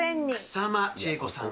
草間千恵子さん